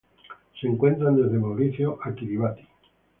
Se encuentran desde Mauricio a Kiribati.